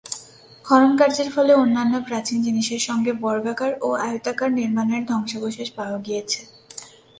খননকার্যের ফলে অন্যান্য প্রাচীন জিনিসের সঙ্গে বর্গাকার ও আয়তাকার নির্মাণের ধ্বংসাবশেষ পাওয়া গিয়েছে।